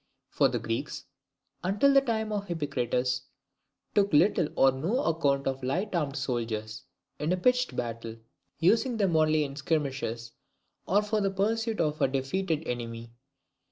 For the Greeks (until the time of Iphicrates) took little or no account of light armed soldiers in a pitched battle, using them only in skirmishes or for the pursuit of a defeated enemy.